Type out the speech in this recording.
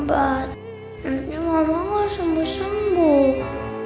maksudnya mama gak sembuh sembuh